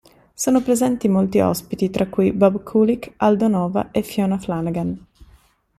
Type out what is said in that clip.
Sono presenti molti ospiti tra cui Bob Kulick, Aldo Nova e Fiona Flanagan.